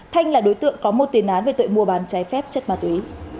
thanh là đối tượng có một tiền án về tội mua bán trái phép chất ma túy